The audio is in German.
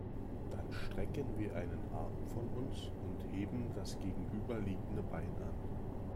Dann strecken wir einen Arm von uns und heben das gegenüberliegende Bein an.